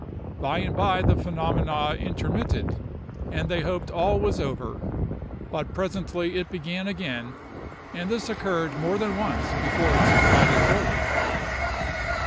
By and by the phenomena intermitted, and they hoped all was over; but presently it began again, and this occurred more than once before it subsided wholly.